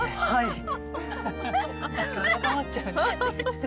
はい。